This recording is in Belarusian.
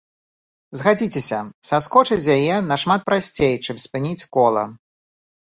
Згадзіцеся, саскочыць з яе нашмат прасцей, чым спыніць кола.